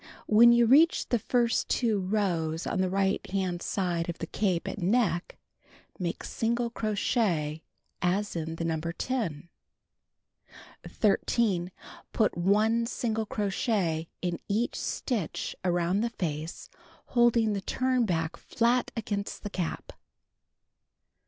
When you reach the first 2 rows on the right hand side of the cape at neck, make single crochet as in the No. 10. 13. Put 1 single crochet in each stitch arouml the face holding the turn back flat against the cap.